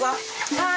はい。